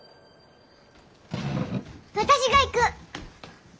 私が行く！